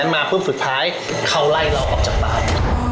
มาปุ๊บสุดท้ายเขาไล่เราออกจากบ้าน